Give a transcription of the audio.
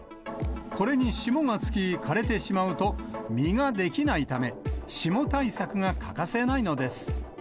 これに霜がつき枯れてしまうと、実ができないため、霜対策が欠かせないのです。